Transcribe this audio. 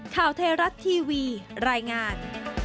ข่าวเทรัตน์ทีวีรายงาน